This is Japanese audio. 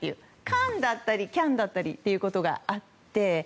カーンだったりキャンだったりということがあって。